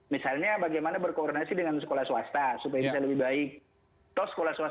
misalnya bagaimana berkoordinasi dengan sekolah swasta supaya bisa lebih baik